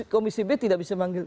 komisi b tidak bisa manggil